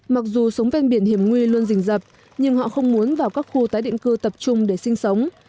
mặc dù sống ven biển hiểm nguy luôn rình rập nhưng họ không muốn vào các khu tái định cư tập trung để sinh sống